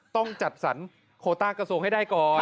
ต้องจัดสรรโคต้ากระทรวงให้ได้ก่อน